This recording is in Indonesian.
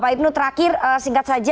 pak ibnu terakhir singkat saja